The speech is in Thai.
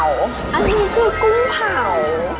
อันนี้คือกลุ่มผัง